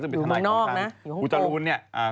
อยู่บนออกนะอยู่ห้มโกง